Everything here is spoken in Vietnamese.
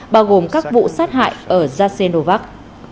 bao gồm các vụ sát hại ở jasenovac